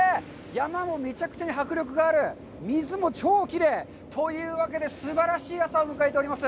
山もめちゃくちゃに迫力がある、水も超きれい。というわけで、すばらしい朝を迎えております。